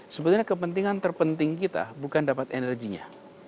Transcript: sebenarnya kepentingan terpenting kita bukan dapat energinya